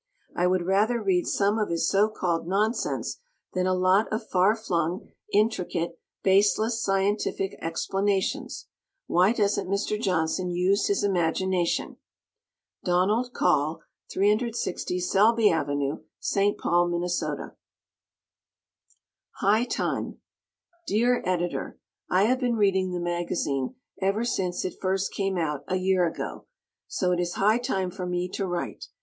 I would rather read some of his so called nonsense than a lot of far flung, intricate, baseless scientific explanations. Why doesn't Mr. Johnson use his imagination? Donald Kahl, 360 Selby Ave., St. Paul, Minn. "High Time" Dear Editor: I have been reading the magazine ever since it first came out, a year ago, so it is high time for me to write.